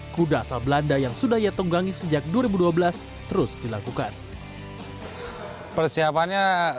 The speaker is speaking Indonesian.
kuda asal belanda yang sudah ia tunggangi sejak dua ribu dua belas terus dilakukan persiapannya